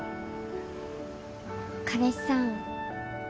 彼氏さん